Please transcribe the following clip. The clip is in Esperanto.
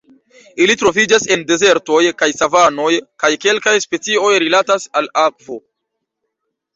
Ili troviĝas en dezertoj kaj savanoj kaj kelkaj specioj rilatas al akvo.